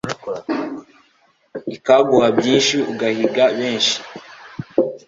Ikaguha byinshi ugahiga benshi